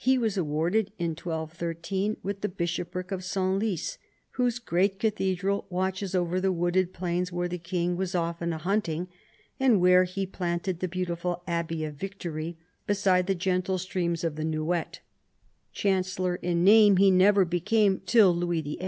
He was rewarded in 1213 with the bishopric of Senlis, whose great cathedral watches over the wooded plains where the king was often a hunting and where he planted the beautiful Abbey of Victory beside the gentle streams of the Nouette, Chancellor in name he never became till Louis VIII.